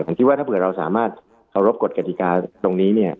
ผมคิดว่าถ้าเผื่อเราสามารถเคารพกฎกฎิกาตรงนี้เนี่ย